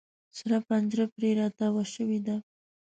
سره پنجره پر را تاو شوې ده.